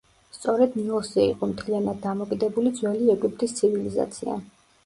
სწორედ ნილოსზე იყო მთლიანად დამოკიდებული ძველი ეგვიპტის ცივილიზაცია.